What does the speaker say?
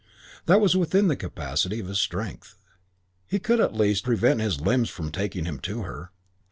That was within the capacity of his strength. He could "at least" (he used to think) prevent his limbs from taking him to her.